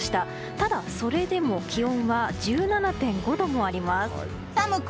ただ、それでも気温は１７．５度もあります。